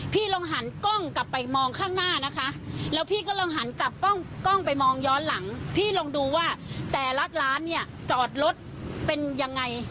พี่ลองหันกล้องกลับไปมองข้างหน้านะคะแล้วพี่ก็ลองหันกลับกล้องไปมองย้อนหลังพี่ลองดูว่าแต่ละร้านเนี่ยจอดรถเป็นยังไง